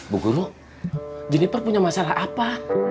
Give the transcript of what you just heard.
bu guru juniper punya masalah apa